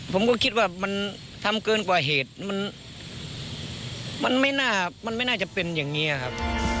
ผมก็คิดว่ามันทำเกินกว่าเหตุมันไม่น่ามันไม่น่าจะเป็นอย่างนี้ครับ